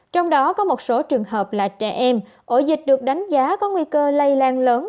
trong đó có một số trường hợp là trẻ em ổ dịch được đánh giá có nguy cơ lây lan lớn